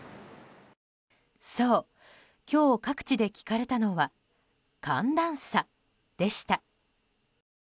そう、今日各地で聞かれたのは寒暖差でした。